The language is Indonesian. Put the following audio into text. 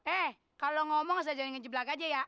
eh kalau ngomong saya jangan ngejeblak aja ya